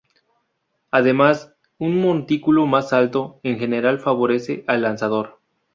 Además, un montículo más alto, en general, favorece al lanzador.